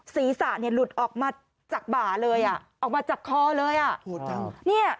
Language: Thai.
ซีสะเด็กลุดออกมาจากบ่าเลยอ่ะออกมาจากคอเลยอ่ะ